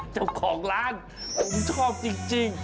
เจ้าของร้านผมชอบจริง